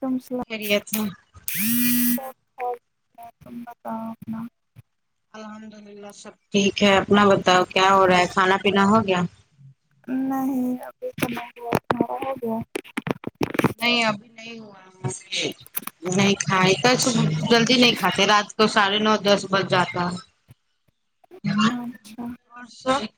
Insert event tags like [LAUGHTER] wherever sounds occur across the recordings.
کم س خیریت ہے [UNINTELLIGIBLE] اورم کانا [UNINTELLIGIBLE] الحمد للہ سب ٹھیک ہے اپنا بتاؤ کیا ہو رہا ہے کھانا پینا ہو گیا نہیں ابھی ہو سارا ہو گیا نہیں ابھی نہیں ہوا نہیں کھائے تو س جلدی نہیں کھاتے رات کو ساڑھے نو دس بج جاتا ہے اچھا ہ [INAUDIBLE]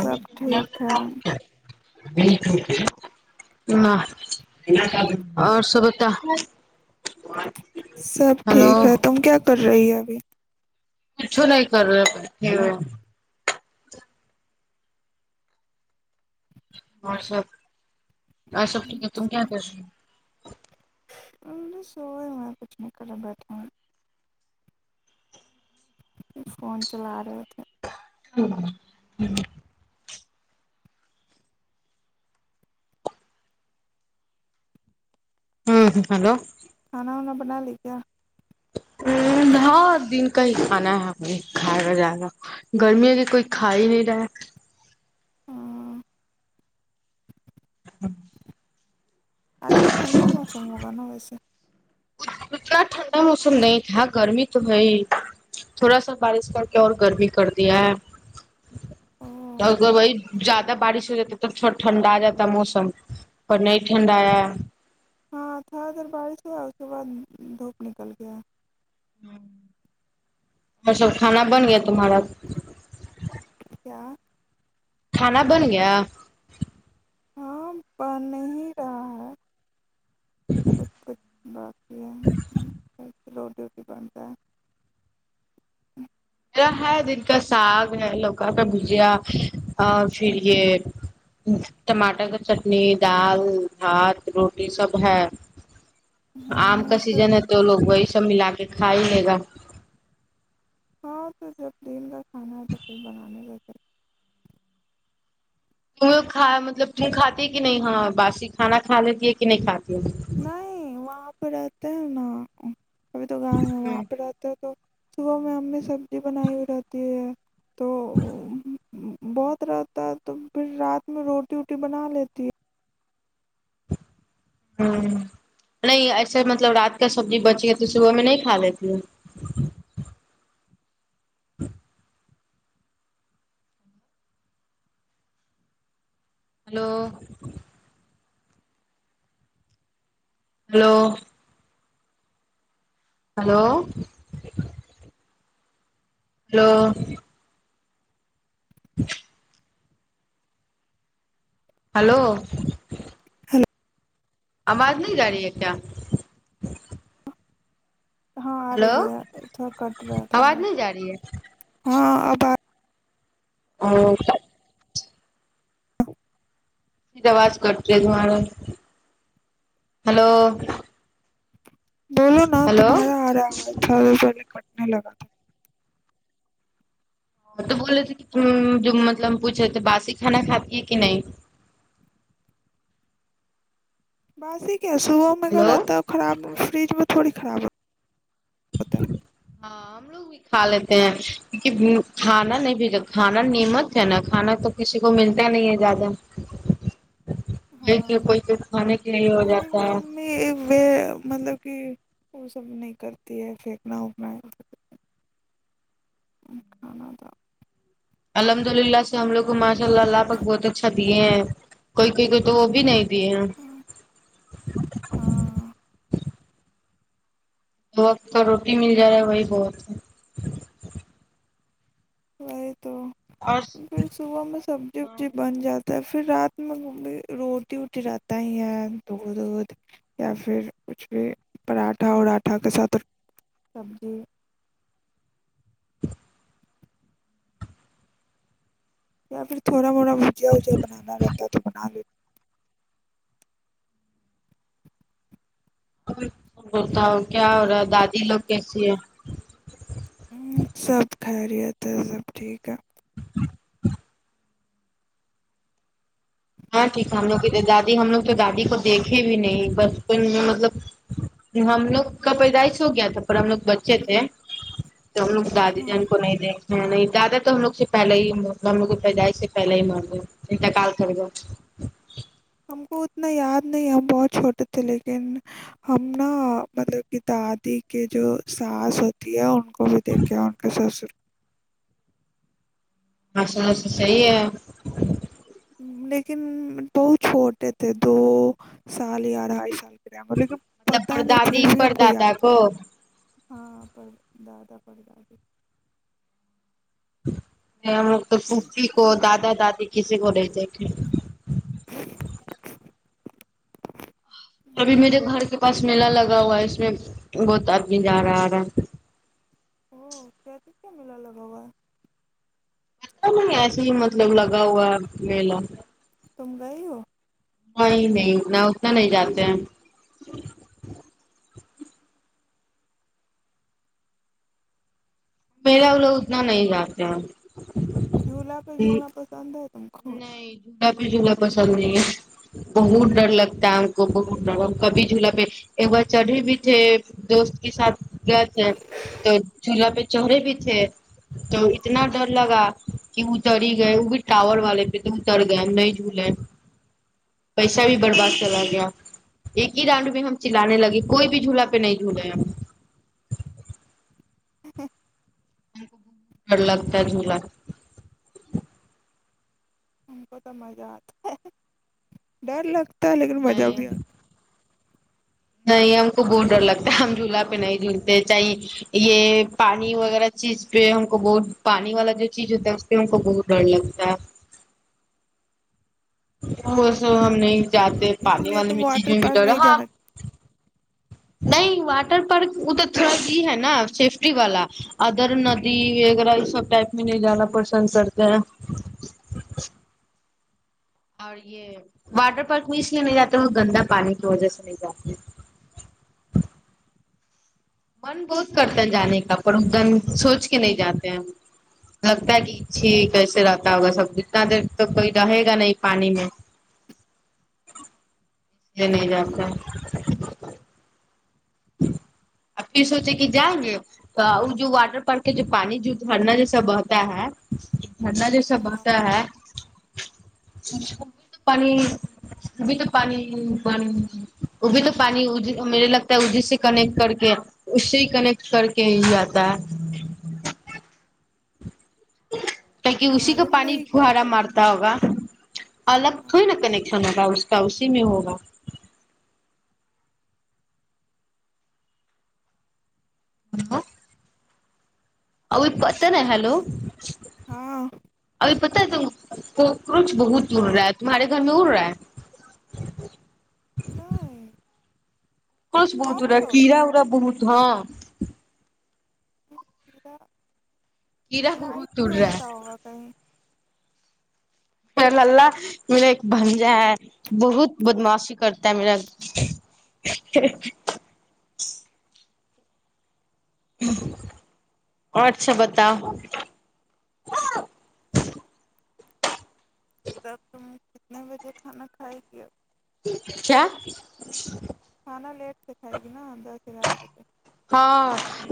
سب ٹھیک ہے م اور س بتا سب ہلو ٹھیک ہے تم کیا کر رہی ہے ابھی اچھو نہیں کرنا اور سب ا سب ٹھیک ہے تم کیا کر رہی ہو سو ہو کچھ نہیں کرا بیھا ہوں فون چلا رہے ہو تھے ہ ہوں ہلو اپناال کیاا ا بار دن کا ہی کھانا ہے ہم نے کھائے گ جیا گا گرمی کہ کوئی کھا ہی نہیں رہا ہ ہ آج تو ٹھنڈا موسم بگانا گیسے اتنا ٹھنڈا موسم نہیں تھا گرمی تو ہے ہی تھوڑا سا بارش کر کے اور گرمی کر دیا ہے اوہ گ بھائی زیادہ بارش ہو جاتی تو تھوڑا ٹھنڈا آ جاتا موسم اور نہیں ٹھنڈا آیا ہاں تھ ادھر بارش ہوا اس کے بعد دھوپ نکل گیا ہ اور سب کھانا بن گیا تمہارا چ کھانا بن گیا ہاں بن ہی رہا ہے کچھ کچھ بق یہ روڈ ڈوٹی بنتا ہے میرا ہے دن کا ساگ ہے لوکا کا بھجیا پھر یہ ٹماٹر کا چٹنی دال بھات روٹی سب ہے آم کا سیزن ہے تو لوگ بش توب ملا کے کھا ہی لے گا ہاں تو جب دین گ کھانا ہے تو کھر بنانے ل تیں کھا مطلب تم کھاتی کہ نہیں ہاں باسی کھانا کھا لیتی ہے کہ نہیں کھاتی ہے؟ نہیں وہاں ا پڑتا ہیں ن ابھی تو گاؤں ہے ہوں وہاں پہ رہتا ہے تو صبح میں امی سبزی بنائی ہوئی رہتی ہے تو ہ [INAUDIBLE] بہت رہتا ہے تو پھر رات میں روٹی ووٹی بنا لیتی ہے ہ نہیں ایسے مطلب رات کا سبزی بچی گتی صبح میں نہیں کھا لیتی ہے ہ [INAUDIBLE] hello hello hello hello hello ہل آواز نہیں جا رہی ہے کیا ہاں آ ہلو رہی ہے سب کٹ رہا آواز تھااز نہیں جا رہی ہے ہاں آب [INAUDIBLE] اور [INAUDIBLE] سیدواز کرتی ہے تہارے ہلو بولو نا ہلو تمہارا ہاراو چو پہلے ک ال لگاد [UNINTELLIGIBLE] تو بولے تھے کہ تم جو مطلب پوچھے تھے باسی کھانا کھاتی ہے کہ نہیں باس صبح میں ا گگر ہلو رہتا خراب فریج میں تھوڑی خراب ہو ہوتا ہے ہاں ہم لوگ بھی کھا لیتے ہیں کیک کھانا نہیں بھیا کھانا نیمت ہے نا کھانا تو کسی کو ملتا نہیں ہے زیادہ یہ کہ ہاں کوئی کھ کھانے کے لیے ہو میری جاتا بھی ہے امی ایک وے مطلب کہ وہ سب نہیں کرتی ہے پھینکنا وونکنا ہے [UNINTELLIGIBLE] کھانا تھا [UNINTELLIGIBLE] الحمد للہ سے ہم لوگ کو ماشاء اللہ اللہ تک بہت اچھا دیے ہیں کوئی کوئی کوئی تو وہ بھی نہیں پں ہاں [UNINTELLIGIBLE] وقت تو روٹی مل جا رہا ہے وہی بہت ہے اور [INAUDIBLE] تو ہے پھر صبح میں سبزی وبزی بن جاتی تو پھر رات میں روٹی ووٹی رہتا ہی ہے دودھ ودھ یا پھر کچھ بھی پراٹھا اراٹھا کے ساتھ سبزی یا پھر تھوڑاوڑا پوجا ووجا بنانا رہتا تو بنا لیتے بتا ہو کیا ہو رہا ہے دادی لوگ کیسی ہیں لیتے سب خیریت ہے سب ٹھیک ہے ہاں ٹھیک ہے ہم لوگ کی دادی ہم لوگ تو دادی کو دیکھے بھی نہیں بچپن میں مطلب ہم لوگ کا پیدائش ہو گیا تھا اور ہم لوگ بچے تھے تو ہم لوگ دادی ہاں جان کو نہیں دیں نہیں نہیں زیادہ تو ہم لوگ سے پہلے ہیب ہم لوگ کی پیدائ سے پہلے ہی مان رہ انتقال کر گا [INAUDIBLE] ہم کو اتنا یاد نہیں ہم بہت چھوٹے تھے لیکن ہم نا مطلب کہ دادی کے جو ساس ہوتی ہے ان کو بھی دیکھ کے ان کے ساسر بسا بس صحی ہے لیکن بہت چھوٹے تھے دو سال یا اڑھائی سال لیکن مطلب پر پتا نہیں پھر دادی بھی ہم پر کو دادا یاد ہاں پر دادا پرڑ داد [INAUDIBLE] ہم لوگ تو پفی کو دادا دادی کسی کو نہیں دیکھے ابھی میرے گھر کے پاس میلہ لگا ہوا ہے اس میں بہت آدمی جا رہا رہا ا کیا ک کیا ملا ل بگا اچا نہیں ایسے ہی مطلب لگا ہوا ہے میلہ تم گ ہو ہاں نہیں نا اتنا نہیں جاتے ہیں میلا وہ لوگ اتنا نہیں جاتے ہیں جھولا پہ جھولنا پسند ہے ت نہیں جدا پ جھولا پسند نہیں ہے بہت ڈر لگتا ہے ہم کو بہت ڈ کبھی جھولا پہ ایک بار چڑھے بھی تھے دوست کے ساتھ گس ہے تو چولہا پہ چڑھے بھی تھے تو اتنا ڈر لگا کہ وہ ڈری ہی گئے وہ بھی ٹاور والے پہ تو اتر گئے ہم نہیں جھولے پیسہ بھی برباد چلا گیا ایک ہی رانؤڈ میں ہم چلانے لگے کوئی بھی جھولا پہ نہیں جھولے ہم ہ [UNINTELLIGIBLE] س بڈ لگتا ہے جولا ہم کو تو مزہ آتا ہے ڈر لگتا علی گل میں جااب نہیں بھی آ نہیں ہم کو بہت ڈر لگتا ہے ہم جھولا پہ نہیں جھولتے چاہی یہ پانی وغیرہ چیز پہ ہم کو بہت پانی والا جو چیز ہوتا ہے اس پہ ہم کو بہت ڈر لگتا ہے اوراں ہم ہے نہیں جاتے اچھا اس پانی لیے والی تم میں چیز واٹر میں بھی پارک دوڑا نہیں ہاں جانا نہیں واٹر پارک ا تو تھوڑا سی ہے نا سیفٹی والا ادر ندی وغیرہ یہ سب ٹائپ میں نہیں جانا پسند کرتے ہیں اور یہ واٹر پارک بھی اس لیے نہیں جاتے وہ گندا پانی کی وجہ سے نہیں جاتے من بہت کرتا ہے جانے کا پر دن سوچ کے نہیں جاتے ہیں لگتا ہے کہ اچھے کیسے رہتا ہوگا سب اتنا دیر تو کوئی رہے گا نہیں پانی میں اس لیے نہیں جاتا ا پھر سوچے کہ جائیں گے تو وہ جو واٹر پارک کے جو پانی جو بھرنا ج سا ہوتا ہے ھنڈا جیسا ہاں ہوتا ہے تو پانی وہ بھی تو پانی وہ بھی تو پانی میرے لگ جس سے کنیکٹ کر کے اس سے ہی کنیکٹ کر کے ہی آاتتا ہے تہ اسی کا معلوم پانی نہیں پہارا مارتا ہوگا الگ تھوڑ نا کنیکشن ہوگا اس کا اسی میں ہوگا ہ [INAUDIBLE] ا پت نا ہیلو ہاں پتا ہے کوکروچ بہت اڑ رہا ہے تمہارے گھر میں اڑ رہا ہے نہیں [INAUDIBLE] بہت گا کاکروچ کرا اورا بہت ہاں ا [INAUDIBLE] تو کیڑا لائٹ بہت پہ اڑ رہا اڑتا ہے ہوگا کہیں م اللہ میرا ایک بنجا ہے بہت بدماشی کرتا ہے میرا اور اچھا بتاؤ ج [UNINTELLIGIBLE] سب تم کتنے بجے کھانا کھائے گ کیا [UNINTELLIGIBLE] کھانا لیٹ سے کھائے گی نا دس گیارہ بجے ہاں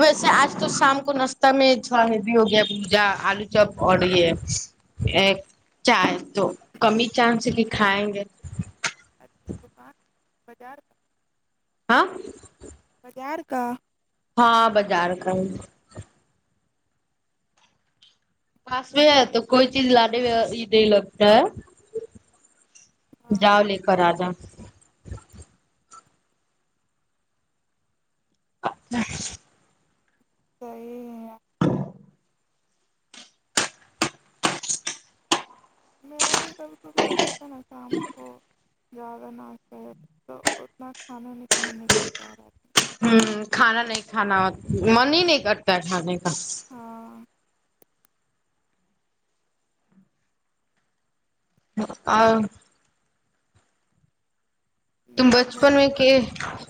ویسے آج تو شام کو ناشتہ میں ا ہی بھیی ہو گیا پوجا آلو چپ اور یہ چائے تو کم ہی چانس کی کھائیں گے اچھا [UNINTELLIGIBLE] دکان بازار ہاں یار کاا ہاں بازار کا پاس میں ہے تو کوئی چیز لانے میں نہیں لگتا ہے ہاں جاؤ لے کااجا [UNINTELLIGIBLE] ا [INAUDIBLE] صیح [UNINTELLIGIBLE] میرا بھی کم خب ہو جاتا ج زہ تو اتنا کھانا نہیں کرتا ہے ہوں کھانا نہیں کھانا منی نہیں کرتا ہے جان ا ہاں آ تم بچپن میں دیکھ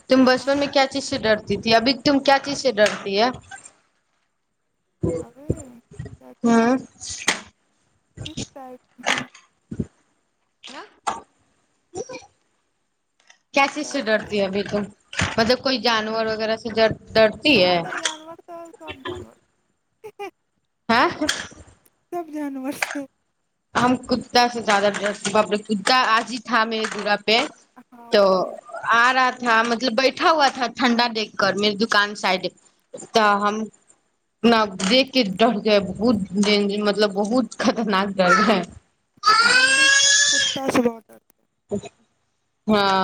تم بچپن ہاں میں کیا چیز سے ڈرتے جتیا بھی [INAUDIBLE] تم کیا چیز سے ڈرتی ہے ابھی کیا چیز ہاں [INAUDIBLE] کس طائپ ہوں نہ [INAUDIBLE] کیسی سے ڈرتی ہے ابھی تو مطلب کوئی جانور وغیرہ سے ج ہاں تو جانور تو سب جانور [INAUDIBLE] ہاں [INAUDIBLE] سب جانور سے ہم کتا سے زیادہ ڈریس باپے کتا آج ہی تھا م ہے گرا پ ہاں تو وہی ہے آ رات [INAUDIBLE] تھا مطلب بیٹھا ہوا تھا ٹنڈا دیکھ کر میرے دکان سائڈ ت ہم ن دیکھ کے ڈر کے بہت د مطلب بہت خطرناک ج ہے [UNINTELLIGIBLE] ہممب کتا سبتا [INAUDIBLE] ہاں [INAUDIBLE] [INAUDIBLE]